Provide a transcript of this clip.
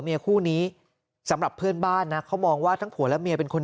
เมียคู่นี้สำหรับเพื่อนบ้านนะเขามองว่าทั้งผัวและเมียเป็นคน